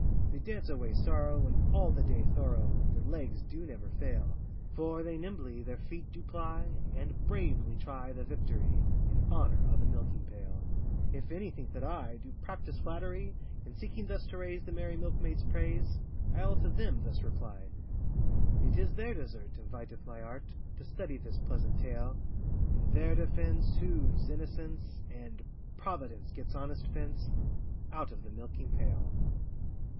They dance away sorrow, and all the day thorough Their legs do never fail, For they nimbly their feet do ply, And bravely try the victory, In honour o' the milking pail. If any think that I Do practise flattery, In seeking thus to raise the merry milkmaids' praise, I'll to them thus reply:— It is their desert inviteth my art, To study this pleasant tale; In their defence, whose innocence, And providence, gets honest pence Out of the milking pail.